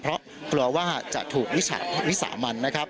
เพราะกลัวว่าจะถูกวิสามันนะครับ